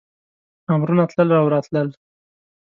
امرونه تلل او راتلل.